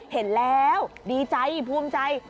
เห็นแล้วดีใจภูมิใจ